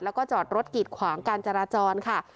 แล้วก็จอดรถกีดขวางการจราจรค่ะ